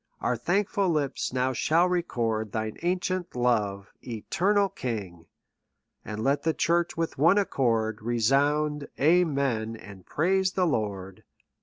Our thankful lips now shall record Thine ancient love, eternal King ! And let the church with one accord. Resound amen, and praise the Lord.